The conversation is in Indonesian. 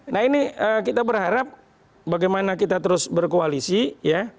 nah ini kita berharap bagaimana kita terus berkoalisi ya